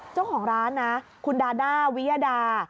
เจ้าของร้านนะคุณดาด้าวิยดา